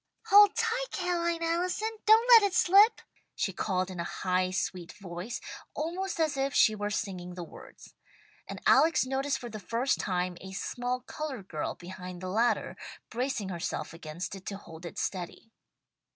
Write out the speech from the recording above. "Hold tight, Ca'line Allison! Don't let it slip!" she called in a high sweet voice, almost as if she were singing the words, and Alex noticed for the first time, a small coloured girl behind the ladder, bracing herself against it to hold it steady.